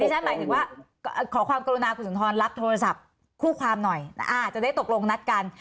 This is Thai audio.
ฉันหมายถึงว่าขอความกรุณาคุณสุนทรรับโทรศัพท์คู่ความหน่อยจะได้ตกลงนัดกัน